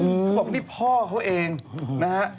เขาบอกนี่พ่อเขาเองนะฮะ